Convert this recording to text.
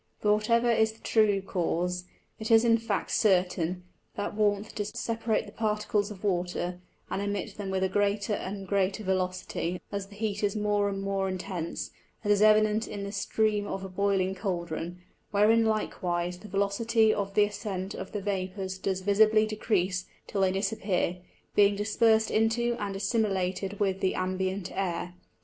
But what ever is the true Cause, it is in Fact certain, that warmth does separate the Particles of Water, and emit them with a greater and greater Velocity, as the heat is more and more intense; as is evident in the Steam of a boiling Cauldron, wherein likewise the Velocity of the ascent of the Vapours does visibly decrease till they disappear, being dispersed into and assimulated with the Ambient Air.